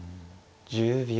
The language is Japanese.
１０秒。